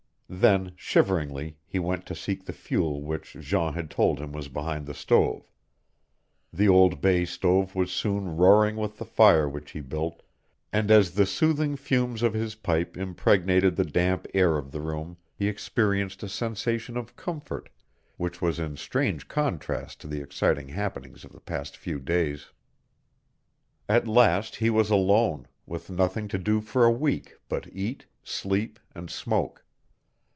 Then, shiveringly, he went to seek the fuel which Jean had told him was behind the stove. The old bay stove was soon roaring with the fire which he built, and as the soothing fumes of his pipe impregnated the damp air of the room he experienced a sensation of comfort which was in strange contrast to the exciting happenings of the past few days. At last he was alone, with nothing to do for a week but eat, sleep and smoke.